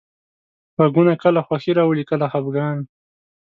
غږونه کله خوښي راولي، کله خپګان.